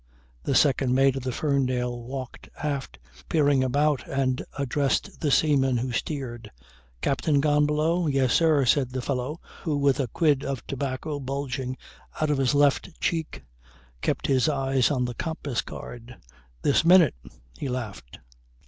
The second mate of the Ferndale walked aft peering about and addressed the seaman who steered. "Captain gone below?" "Yes, sir," said the fellow who with a quid of tobacco bulging out his left cheek kept his eyes on the compass card. "This minute. He laughed."